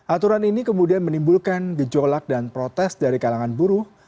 aturan ini kemudian menimbulkan gejolak dan protes dari kalangan buruh